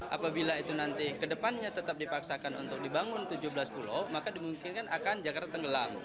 apabila itu nanti kedepannya tetap dipaksakan untuk dibangun tujuh belas pulau maka dimungkinkan akan jakarta tenggelam